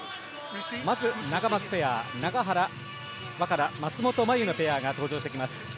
まずナガマツペア永原和可那、松本麻佑のペアが登場してきます。